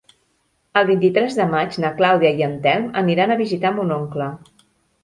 El vint-i-tres de maig na Clàudia i en Telm aniran a visitar mon oncle.